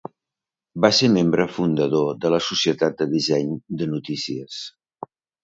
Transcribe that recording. Va ser membre fundador de la Societat de Disseny de Notícies.